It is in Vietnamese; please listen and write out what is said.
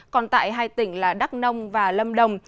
còn tại hai tỉnh là đắk nông và lâm đồng